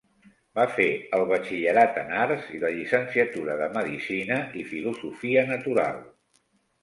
Va fer el batxillerat en Arts i la llicenciatura de Medicina i Filosofia Natural.